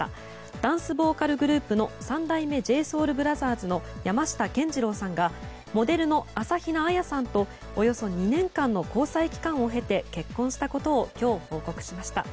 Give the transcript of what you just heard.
ダンスボーカルグループの三代目ＪＳＯＵＬＢＲＯＴＨＥＲＳの山下健二郎さんがモデルの朝比奈彩さんとおよそ２年間の交際期間を経て結婚したことを今日報告しました。